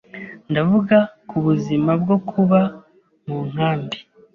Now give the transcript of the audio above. ndavuga ku buzima bwo kuba mu nkambi,